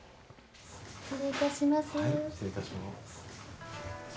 失礼いたします。